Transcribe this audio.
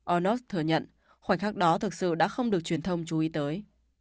onos thừa nhận khoảnh khắc đó thực sự đã không được truyền thông chú ý tới